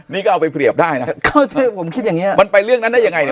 นี่ก็เอาไปเรียบได้นะก็คือผมคิดอย่างเงี้ยมันไปเรื่องนั้นได้ยังไงนะ